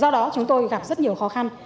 do đó chúng tôi gặp rất nhiều khó khăn